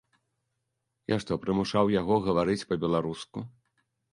Я што, прымушаў яго гаварыць па-беларуску?